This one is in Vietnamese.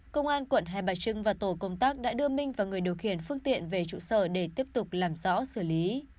công an quận hai bà trưng và tổ công tác đã đưa minh và người điều khiển phương tiện về trụ sở để tiếp tục làm rõ xử lý